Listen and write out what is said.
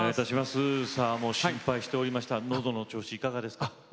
もう心配しておりましたのどの調子いかがですか？